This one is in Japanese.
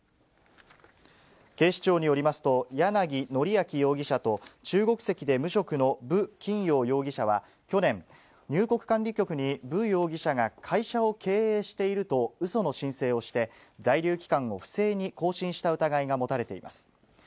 警視庁によりますと、楊徳明容疑者と、中国籍で無職の武きんよう容疑者は去年、入国管理局に武容疑者が会社を経営しているとうその申請をして、在留期間を不正に更新した疑いが持たれています。